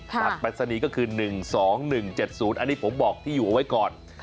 หัวหัดปฐุมธานีก็คือ๑๒๑๗๐อันนี้ผมบอกที่อยู่ไว้ก่อน